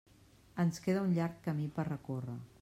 Ens queda un llarg camí per recórrer.